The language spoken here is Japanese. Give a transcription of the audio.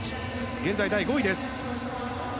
現在、第５位です。